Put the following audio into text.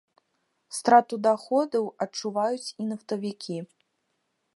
Страту даходаў адчуваюць і нафтавікі.